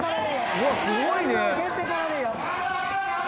うわすごいね！